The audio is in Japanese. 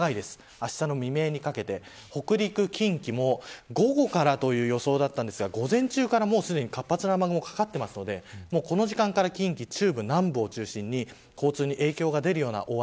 あしたの未明にかけて北陸、近畿も午後からという予想だったんですが午前中からすでに活発な雨雲がかかっていてこの時間から近畿、中部南部を中心に交通に影響が出るような雨。